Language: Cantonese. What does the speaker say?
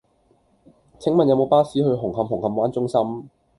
請問有無巴士去紅磡紅磡灣中心